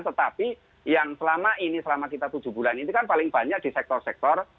tetapi yang selama ini selama kita tujuh bulan ini kan paling banyak di sektor sektor